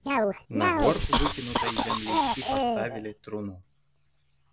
На горб выкінутай зямлі і паставілі труну.